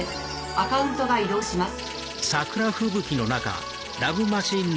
アカウントが移動します。